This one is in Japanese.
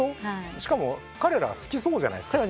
しかも彼らは好きそうじゃないですか。